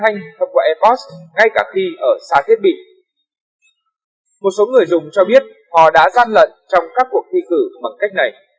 người dùng cho biết họ đã gian lận trong các cuộc thi cử bằng cách này